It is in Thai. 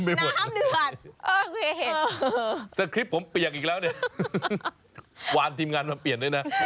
ไปกินได้แล้วหิวแล้ว